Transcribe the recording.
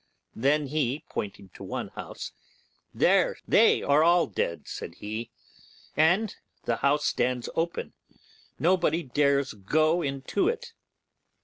Then he pointing to one house, 'There they are all dead', said he, 'and the house stands open; nobody dares go into it.